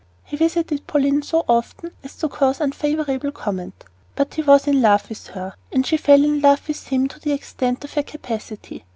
He visited Pauline so often as to cause unfavorable comment; but he was in love with her, and she fell in love with him to the extent of her capacity.